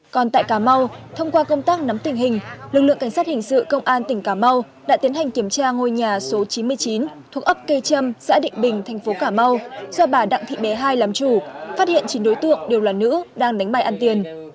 còn tại cà mau thông qua công tác nắm tình hình lực lượng cảnh sát hình sự công an tỉnh cà mau đã tiến hành kiểm tra ngôi nhà số chín mươi chín thuộc ấp cây trâm xã định bình thành phố cà mau do bà đặng thị bé hai làm chủ phát hiện chín đối tượng đều là nữ đang đánh bài ăn tiền